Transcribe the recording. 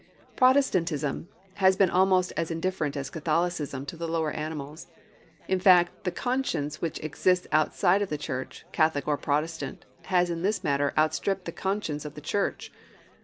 Protestantism has been almost as indifferent as Catholicism to the lower animals. In fact, the conscience which exists outside of the church, Catholic or Protestant, has in this matter, outstripped the conscience of the church.